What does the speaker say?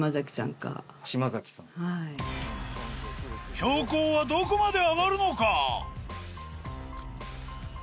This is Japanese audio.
標高はどこまで上がるのか？